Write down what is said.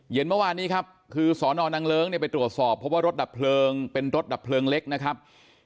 เมื่อวานนี้ครับคือสอนอนังเลิ้งเนี่ยไปตรวจสอบเพราะว่ารถดับเพลิงเป็นรถดับเพลิงเล็กนะครับ